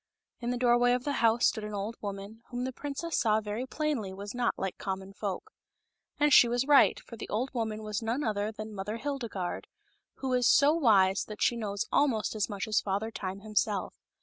In the doorway of the house stood an old woman, whom the princess saw very plainly was not like common folk. And she was right, for the old woman was none other than Mother Hildegarde, who is so wise that she knows almost as much as Father Time himself.